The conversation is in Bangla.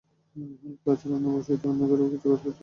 হালকা আঁচে রান্না বসিয়ে দিয়ে অন্য ঘরেও কিছু কাজ করে আসতে পারেন।